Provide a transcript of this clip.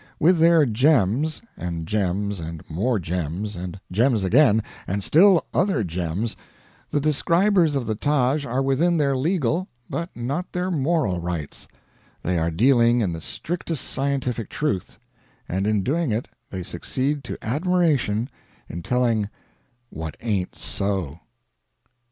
With their gems and gems and more gems and gems again and still other gems the describers of the Taj are within their legal but not their moral rights; they are dealing in the strictest scientific truth; and in doing it they succeed to admiration in telling "what ain't so."